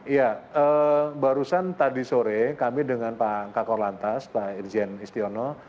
ya barusan tadi sore kami dengan pak kakor lantas pak irjen istiono